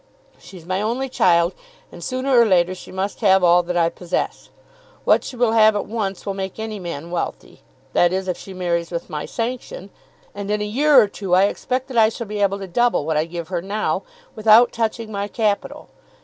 She's my only child, and sooner or later she must have all that I possess. What she will have at once will make any man wealthy, that is, if she marries with my sanction; and in a year or two I expect that I shall be able to double what I give her now, without touching my capital.